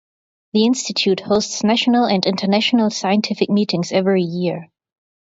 The Institute hosts national and international scientific meetings every year.